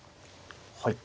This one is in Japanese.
はい。